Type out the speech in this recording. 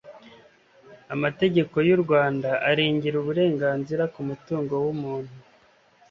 amategeko y'u rwanda arengera uburenganzira ku mutungo w'umuntu